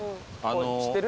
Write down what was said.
知ってる？